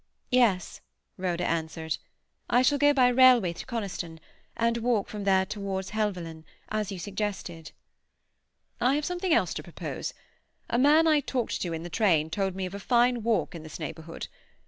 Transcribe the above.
"Yes," Rhoda answered. "I shall go by railway to Coniston, and walk from there towards Helvellyn, as you suggested." "I have something else to propose. A man I talked to in the train told me of a fine walk in this neighbourhood.